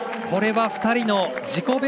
これは２人の自己